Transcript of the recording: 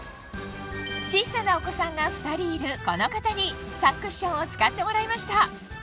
小さなお子さんが２人いるこの方にサンクッションを使ってもらいました